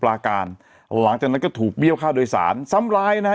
ลาการหลังจากนั้นก็ถูกเบี้ยวค่าโดยสารซ้ำร้ายนะฮะ